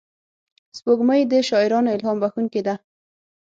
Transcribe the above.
سپوږمۍ د شاعرانو الهام بښونکې ده